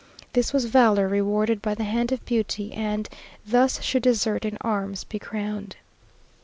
Thus was valour rewarded by the hand of beauty; and "Thus should desert in arms be crowned."